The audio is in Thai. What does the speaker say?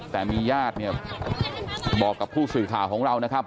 แต่มีญาติเนี่ยบอกกับผู้สื่อข่าวของเรานะครับ